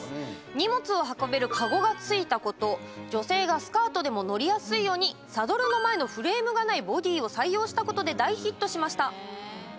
荷物を運べるカゴがついたこと女性がスカートでも乗りやすいようにサドルの前のフレームがないボディーを採用したことで大ヒットしました。